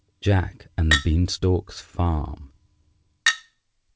JACK AND THE BEAN STALK'S FARM.